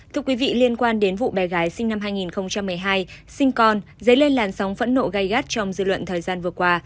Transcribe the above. thưa quý vị liên quan đến vụ bé gái sinh năm hai nghìn một mươi hai sinh con dấy lên làn sóng phẫn nộ gai gắt trong dư luận thời gian vừa qua